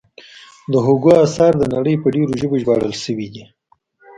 د هوګو اثار د نړۍ په ډېرو ژبو ژباړل شوي دي.